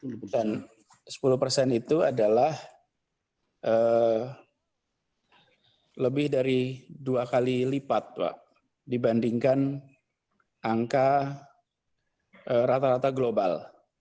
dan sepuluh persen itu adalah lebih dari dua kali lipat pak dibandingkan angka rata rata global